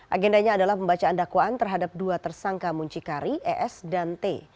agendanya adalah pembacaan dakwaan terhadap dua tersangka muncikari es dan t